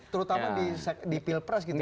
terutama di pilpres